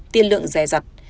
tiên lượng rẻ rặt